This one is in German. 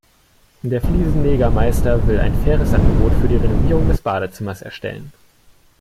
Der Fliesenlegermeister will ein faires Angebot für die Renovierung des Badezimmers erstellen.